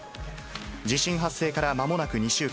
地震発生から、まもなく２週間。